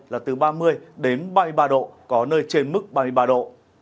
là từ ba mươi đến ba mươi ba độ có nơi trên mức ba mươi ba độ